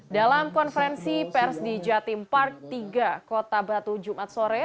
dalam konferensi pers di jatim park tiga kota batu jumat sore